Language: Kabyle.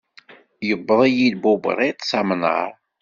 Iwweḍ-iyi-d bubriṭ s amnaṛ.